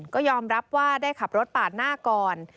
ก็ยอมรับว่าได้ขับรถปาดหน้าก่อน